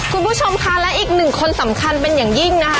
คุณผู้ชมค่ะและอีกหนึ่งคนสำคัญเป็นอย่างยิ่งนะคะ